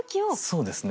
そうですね。